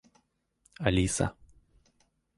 Алиса